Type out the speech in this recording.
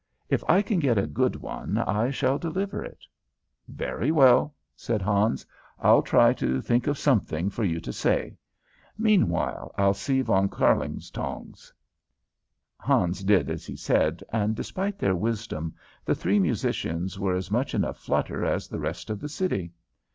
"If I can get a good one, I shall deliver it." "Very well," said Hans. "I'll try to think of something for you to say. Meanwhile I'll see Von Kärlingtongs." Hans did as he said, and, despite their wisdom, the three musicians were as much in a flutter as the rest of the city.